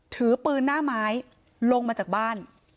ถือปืนหน้าไม้ลงมาจากบ้าน